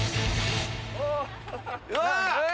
うわ！